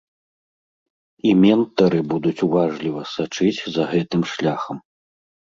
І ментары будуць уважліва сачыць за гэтым шляхам.